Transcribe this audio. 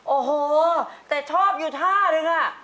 โอ้โหแต่ชอบอยู่ท่านึงอะ